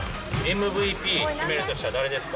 ＭＶＰ、決めるとしたら誰ですか？